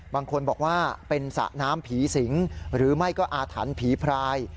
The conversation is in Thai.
บางคนบอกว่าเป็นสระน้ำผีสิงหรือไม่ก็อาถรรพ์ผีพราย